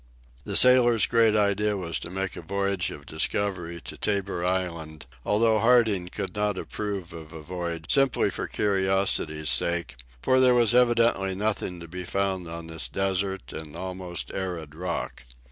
The sailor's great idea was to make a voyage of discovery to Tabor Island, although Harding could not approve of a voyage simply for curiosity's sake, for there was evidently nothing to be found on this desert and almost arid rock.